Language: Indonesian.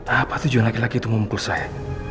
apa tujuan laki laki itu mau mukul saya